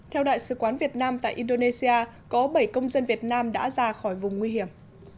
theo đại sứ quán việt nam tại indonesia có bảy công dân việt nam đã ra khỏi vùng nguy hiểm